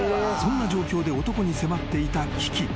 ［そんな状況で男に迫っていた危機。